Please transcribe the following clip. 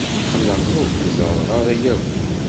Qqleɣ ur k-ẓerreɣ ara akk.